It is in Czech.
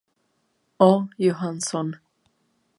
O. Johansson.